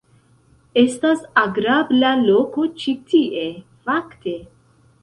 Estas agrabla loko ĉi tie, fakte.